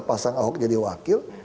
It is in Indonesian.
pasang ahok jadi wakil